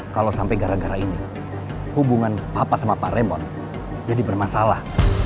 kalau sampai gara gara ini hubungan papa sama pak remon jadi bermasalah